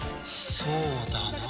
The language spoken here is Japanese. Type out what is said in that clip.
そうだな。